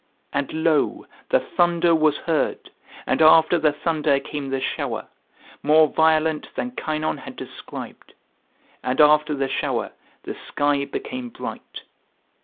And, lo! the thunder was heard, and after the thunder came the shower, more violent than Kynon had described, and after the shower the sky became bright.